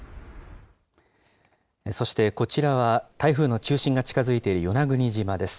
そしてこちらは、台風の中心が近づいている与那国島です。